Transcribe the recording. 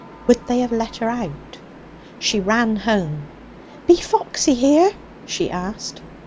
Would they have let her out? She ran home. 'Be Foxy here?' she asked.